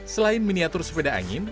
selain miniatur sepeda angin